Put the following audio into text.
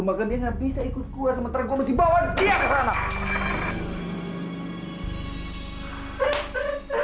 maka dia gak bisa ikut gue sementara gue mesti bawa dia ke sana